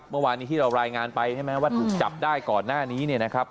เมื่อวานที่เรารายงานไปถูกจับได้ก่อนหน้านี้เนี่ยนะครับ